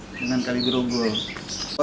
dengan kali gerobol